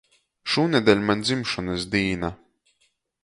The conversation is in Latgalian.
Šūnedeļ maņ dzimšonys dīna.